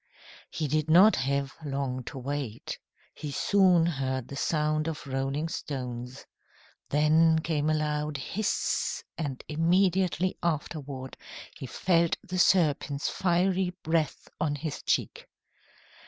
He did not have long to wait. He soon heard the sound of rolling stones. Then came a loud hiss, and immediately afterward he felt the serpent's fiery breath on his cheek.